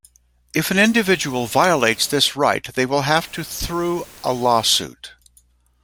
If an individual violates this right they will have to through a lawsuit.